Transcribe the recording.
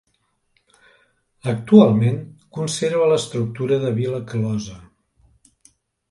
Actualment conserva l'estructura de vila closa.